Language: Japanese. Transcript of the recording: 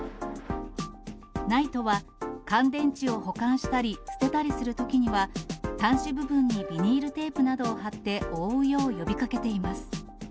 ＮＩＴＥは乾電池を保管したり捨てたりするときには、端子部分にビニールテープなどを貼って覆うよう呼びかけています。